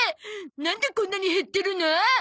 なんでこんなに減ってるの？